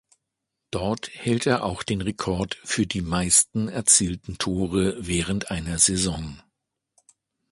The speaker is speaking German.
Dort hält er auch den Rekord für die meisten erzielten Tore während einer Saison.